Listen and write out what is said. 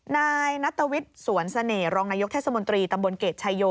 นายนัตวิทย์สวนเสน่หรองนายกเทศมนตรีตำบลเกรดชายโย